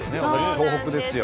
東北ですよ。